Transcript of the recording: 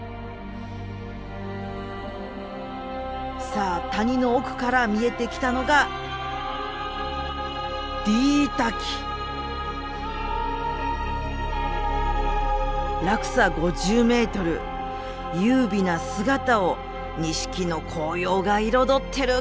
さあ谷の奥から見えてきたのが落差５０ｍ優美な姿を錦の紅葉が彩ってる。